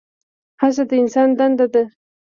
هڅه د انسان دنده ده؟